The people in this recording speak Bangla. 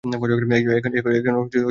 এখন কাজের কথা বলি।